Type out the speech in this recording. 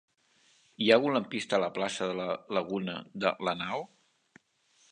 Hi ha algun lampista a la plaça de la Laguna de Lanao?